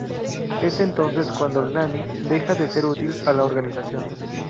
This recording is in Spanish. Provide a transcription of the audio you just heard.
Es entonces cuando el Nani deja de ser útil a la organización.